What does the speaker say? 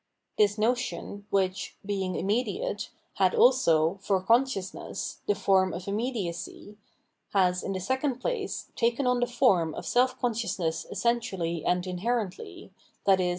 This notion, which, being immediate, had also, for consciousness, the form of immediacy, has, in the second place, taken on the form of seif conscious ness essentially and ioherently, i.e.